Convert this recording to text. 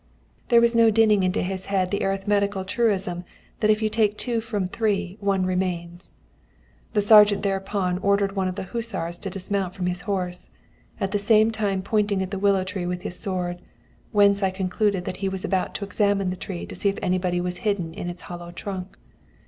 "There was no dinning into his head the arithmetical truism that if you take two from three one remains. "The sergeant thereupon ordered one of the hussars to dismount from his horse, at the same time pointing at the willow tree with his sword, whence I concluded that he was about to examine the tree to see if anybody was hidden in its hollow trunk.